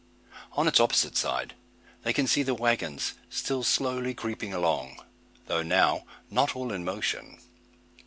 On its opposite side they can see the waggons still slowly creeping along, though now not all in motion.